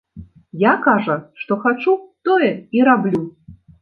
Я, кажа, што хачу, тое і раблю.